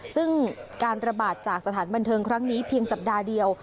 ซึ่งการระบาดจากสถานบันเทิงครั้งนี้เพียงสัปดาห์เดียว